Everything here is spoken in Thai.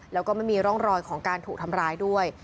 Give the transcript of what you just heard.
แล้วก็ไม่มีร่องรอยของการถูกทำร้ายด้วย